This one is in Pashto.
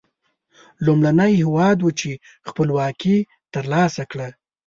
لومړنی هېواد و چې خپلواکي تر لاسه کړه.